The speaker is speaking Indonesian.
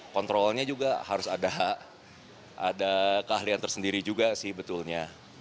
kontrolnya juga harus ada keahlian tersendiri juga sih betulnya